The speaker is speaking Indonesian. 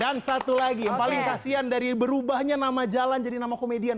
dan satu lagi yang paling kasihan dari berubahnya nama jalan jadi nama komedian